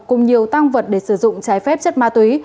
cùng nhiều tăng vật để sử dụng trái phép chất ma túy